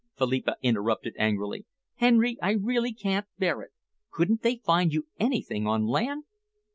Philippa interrupted angrily. "Henry, I really can't bear it. Couldn't they find you anything on land?"